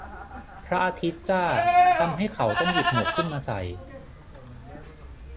พระอาทิตย์จ้าทำให้เขาต้องหยิบหมวกขึ้นมาใส่